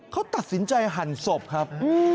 เขาตัดสินใจหั่นศพครับ